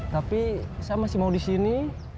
tapi saya masih mau di sini